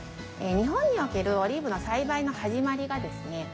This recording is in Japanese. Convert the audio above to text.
日本におけるオリーブの栽培の始まりがですね